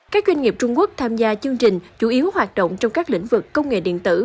các doanh nghiệp trung quốc tham gia chương trình chủ yếu hoạt động trong các lĩnh vực công nghệ điện tử